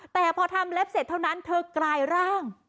แต่พอทำเล็บเสร็จเท่านั้นเธอกลายร่าง